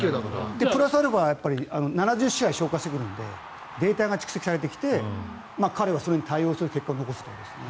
プラスアルファ７０試合消化してくるのでデータが蓄積されてきて彼はそれに対応する結果を残すと思いますね。